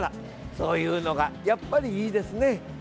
そういうのがやっぱりいいですね。